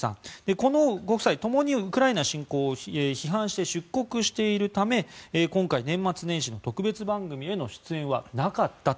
このご夫妻ともにウクライナ侵攻を批判して出国しているため今回、年末年始の特別番組への出演はなかったと。